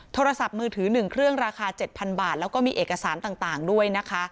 โทรศัพท์มือถือ๑เครื่องราคา๗๐๐บาทแล้วก็มีเอกสารต่างด้วยนะคะ